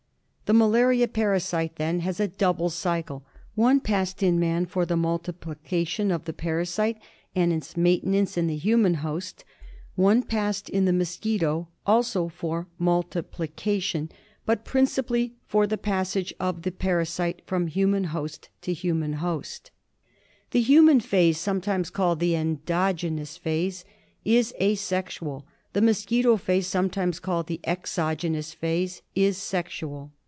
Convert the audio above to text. J The malaria parasite then has a double cycle, one passed in man for the multiplication of the parasite and its maintenance in the human host; one passed in the mosquito, also for multiplication, but principally for the passage of the parasite from human host to human host. CmniJit— Tenlui. MALARIA. 99 The human phase, sometimes called the endogenous phase, is asexual ; the mosquito phase, sometimes called the exogenous phase, is sexual.